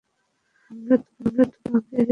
আমরা তোমাকে রেখে যাচ্ছি না ঠিক আছে?